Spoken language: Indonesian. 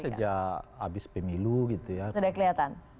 sejak habis pemilu sudah kelihatan